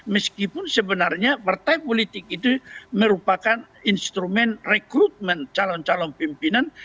meskipun sebenarnya partai politik itu merupakan instrumen rekrutmen calon calon pimpinan